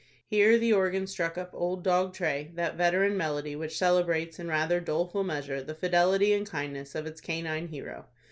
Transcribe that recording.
Here the organ struck up "Old Dog Tray," that veteran melody, which celebrates, in rather doleful measure, the fidelity and kindness of its canine hero.